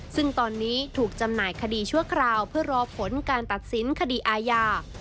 ซึ่งตอนนี้ถูกจำหน่ายคดีชั่วคราวเพื่อรอผลการตัดสินคดีอาญา